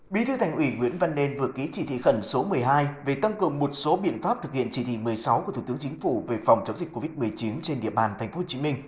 bí thư thành ủy nguyễn văn nên vừa ký chỉ thị khẩn số một mươi hai về tăng cường một số biện pháp thực hiện chỉ thị một mươi sáu của thủ tướng chính phủ về phòng chống dịch covid một mươi chín trên địa bàn tp hcm